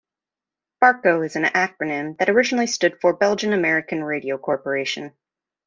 Barco is an acronym that originally stood for Belgian American Radio Corporation.